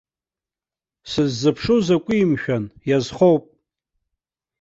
Сыззыԥшу закәи, мшәан, иазхоуп!